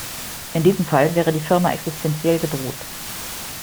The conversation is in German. In diesem Fall wäre die Firma existenziell bedroht.